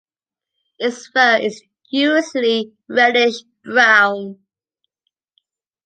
Its fur is usually reddish brown.